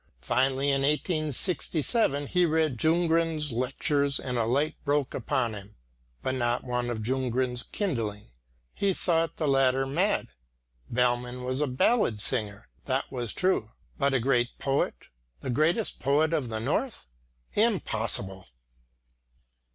Finally, in 1867, he read Ljunggren's lectures and a light broke upon him, but not one of Ljunggren's kindling. He thought the latter mad. Bellmann was a ballad singer, that was true, but a great poet, the greatest poet of the North? impossible!